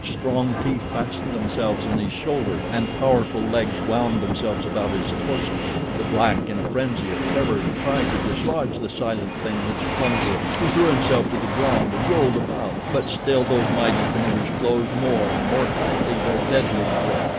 Strong teeth fastened themselves in his shoulder, and powerful legs wound themselves about his torso. The black in a frenzy of terror tried to dislodge the silent thing which clung to him. He threw himself to the ground and rolled about; but still those mighty fingers closed more and more tightly their deadly grip.